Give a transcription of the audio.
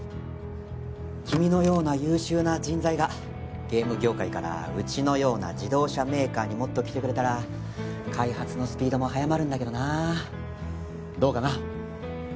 君のような優秀な人材がゲーム業界からうちのような自動車メーカーにもっと来てくれたら開発のスピードも早まるんだけどなあどうかな？